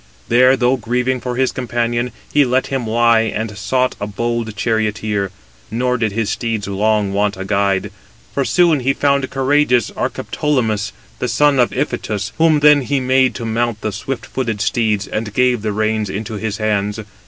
There, though grieving for his companion, he let him lie, and sought a bold charioteer: nor did his steeds long want a guide; for soon he found courageous Archeptolemus, the son of Iphitus, whom then he made to mount the swift footed steeds, and gave the reins into his hands.